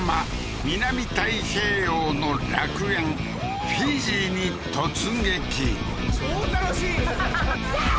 南太平洋の楽園フィジーに突撃超楽しい！